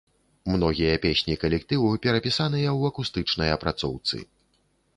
Многія песні калектыву перапісаныя ў акустычнай апрацоўцы.